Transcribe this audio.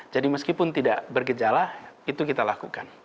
jadi meskipun tidak bergejala itu kita lakukan